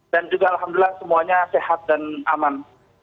dan juga alhamdulillah semuanya sehat dan aman